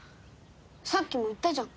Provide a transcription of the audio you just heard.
さっきも言ったじゃん。